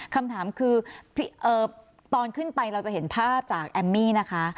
คำถามคือตอนขึ้นไปเราจะเห็นภาพจากแอมมี่นะคะ